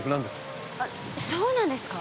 そうなんですか？